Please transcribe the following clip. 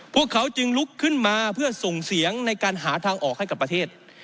พวกเขาจึงลุกขึ้นมาเพื่อส่งเสียงในการหาทางออกให้กับประเทศ